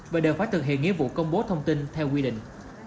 và đều phải thực hiện nghĩa vụ công bố thông tin theo quy định